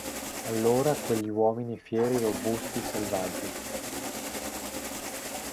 Allora quegli uomini fieri, robusti, selvaggi.